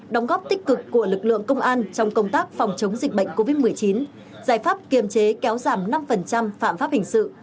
đóng góp tích cực của lực lượng công an trong công tác phòng chống dịch bệnh covid một mươi chín giải pháp kiềm chế kéo giảm năm phạm pháp hình sự